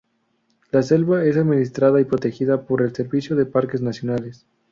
La selva es administrada y protegida por el Servicio de Parques Nacionales.